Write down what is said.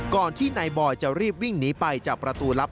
ก่อนที่นายบอยจะรีบวิ่งหนีไปจากประตูลับ